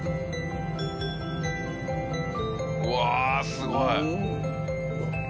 うわすごい！